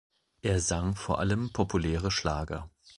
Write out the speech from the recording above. Er sang vor allem populäre Schlager.